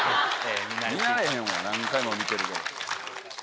見慣れへんわ何回も見てるけど。